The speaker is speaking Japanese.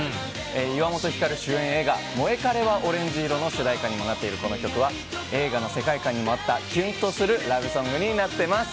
岩本照主演映画「モエカレはオレンジ色」の主題歌にもなっているこの曲は映画の世界観にも合ったキュンとするラブソングになっています。